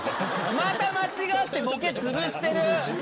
また間違ってボケつぶしてる！